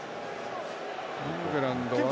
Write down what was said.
イングランドは。